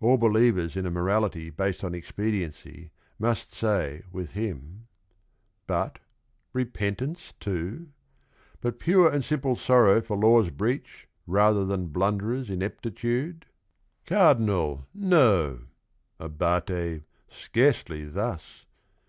All believers in a moral ity based on expediency must say with him, "But, repentance too? But pure and simple sorrow for law's breach Rather than blunderer's ineptitude? 222 THE RING AND THE BOOK Cardinal, no ! Abate, scarcely thus